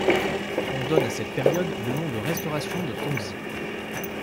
On donne à cette période le nom de Restauration de Tongzhi.